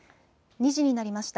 ２時になりました。